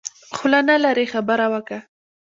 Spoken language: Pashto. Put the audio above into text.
خوله نلرې خبره وکه.